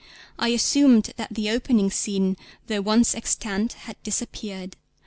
I assumed that the opening scene, though once extant, had disappeared.